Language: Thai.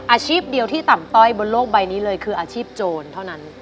อาชีพเดียวที่ต่ำต้อยบนโลกใบนี้เลยคืออาชีพโจรเท่านั้น